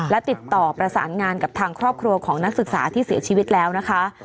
และติดต่อประสานงานกับทางครอบครัวของนักศึกษาที่เสียชีวิตแล้วนะคะ